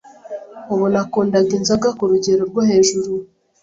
Ubu nakundaga inzoga ku rugero rwo hejuru